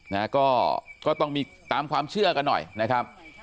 นะฮะก็ก็ต้องมีตามความเชื่อกันหน่อยนะครับ